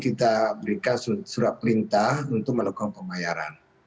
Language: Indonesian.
kita berikan surat perintah untuk melakukan pembayaran